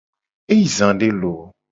E yi zade loo.